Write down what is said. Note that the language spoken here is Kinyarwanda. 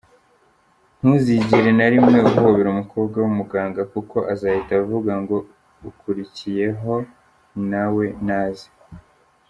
Ntuzigere na rimwe uhobera umukobwa w’umuganga kuko azahita avuga ngo"Ukurikiyeho nawe naze.